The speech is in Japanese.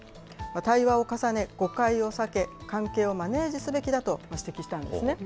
対話を重ね、誤解を避け、関係をマネージすべきだと指摘したんですね。